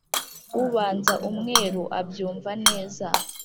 Ubanza umweru abyumva neza